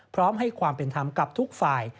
พร้อมให้ความเป็นธรรมกับทุกฝ่าย